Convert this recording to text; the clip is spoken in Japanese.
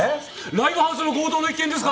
ライブハウスの強盗の一件ですか？